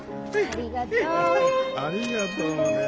ありがとうねえ。